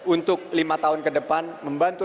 untuk lima tahun ke depan membantu